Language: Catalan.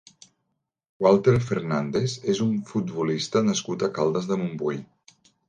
Walter Fernández és un futbolista nascut a Caldes de Montbui.